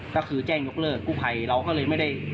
ก็คือแจ้งยกเลิกกู้ภัยเราก็เลยไม่ได้